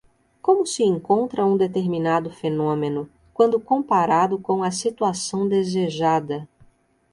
como se encontra um determinado fenômeno, quando comparado com a situação desejada